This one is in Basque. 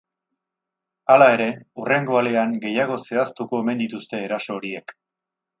Hala ere, hurrengo alean gehiago zehaztuko omen dituzte eraso horiek.